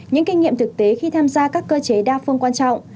những kinh nghiệm thực tế khi tham gia các cơ chế đa phương quan trọng